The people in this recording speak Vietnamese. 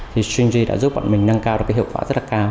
thì stringy đã giúp bọn mình nâng cao được cái hiệu quả rất là cao